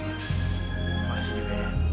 terima kasih juga ya